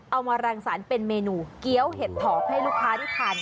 เอามาแรงสารเป็นเมนูเกี้ยวเห็ดถอบให้ลูกค้าที่ทาน